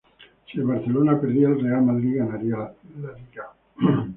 Si el Barcelona perdía, el Real Madrid ganaría la Liga.